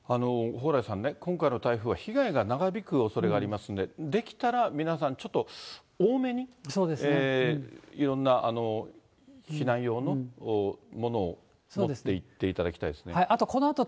蓬莱さんね、今回の台風は被害が長引くおそれがありますんで、できたら皆さん、ちょっと多めにいろんな避難用の物を持っていっていただきたいであと、このあと、